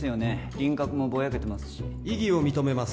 輪郭もぼやけてますし異議を認めます